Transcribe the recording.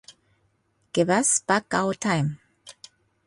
Give us back our time.